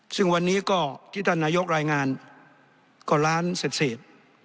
ซึ่งวันนี้ก็ที่ท่านนายกรายงานก็ล้านเศษ